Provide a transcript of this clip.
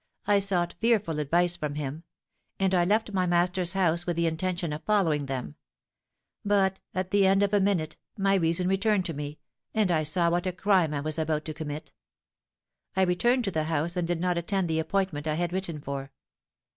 I sought fearful advice from him; and I left my master's house with the intention of following them; but, at the end of a minute, my reason returned to me, and I saw what a crime I was about to commit. I returned to the house, and did not attend the appointment I had written for.